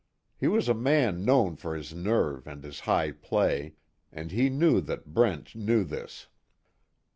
He was a man known for his nerve and his high play, and he knew that Brent knew this.